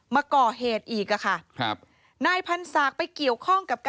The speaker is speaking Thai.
มาก่อเหตุอีกอะค่ะครับนายพันศักดิ์ไปเกี่ยวข้องกับการ